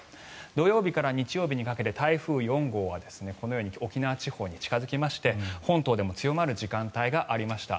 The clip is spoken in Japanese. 土曜日から日曜日にかけて台風４号はこのように沖縄地方に近付きまして本島でも強まる時間帯がありました。